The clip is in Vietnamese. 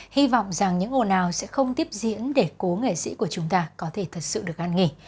hy vọng rằng những hồ nào sẽ không tiếp diễn để cố nghệ sĩ của chúng ta có thể thật sự được an nghỉ